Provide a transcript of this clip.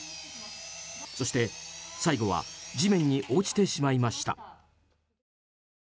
そして、最後は地面に落ちてしまいました。